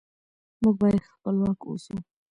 موږ باید خپلواک اوسو.